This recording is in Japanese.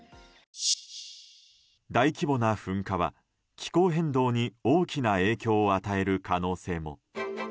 大規模な噴火は気候変動に大きな影響を与える可能性も。